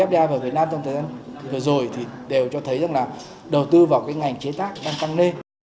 fdi vào việt nam trong thời gian vừa rồi thì đều cho thấy rằng là đầu tư vào cái ngành chế tác đang tăng lên